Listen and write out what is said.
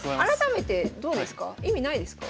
意味ないですか？